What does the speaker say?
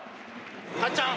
たっちゃん